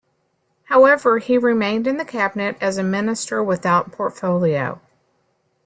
However, he remained in the cabinet as a minister without portfolio.